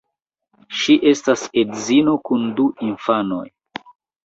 Ŝi estas edzino kun du infanoj.